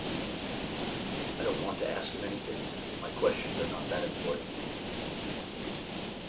I don't want to ask him anything; my questions are not that important